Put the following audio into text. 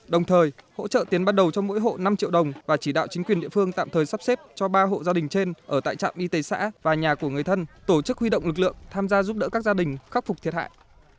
đồng thời hỗ trợ tiến ban đầu cho mỗi hộ năm triệu đồng và chỉ đạo chính quyền địa phương tạm thời sắp xếp cho ba hộ gia đình trên ở tại trạm y tế xã và nhà của người thân tổ chức huy động lực lượng tham gia giúp đỡ các gia đình khắc phục thiệt hại